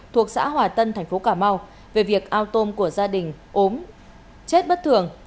thuộc xã hòa tân tp cà mau về việc ao tôm của gia đình ốm chết bất thường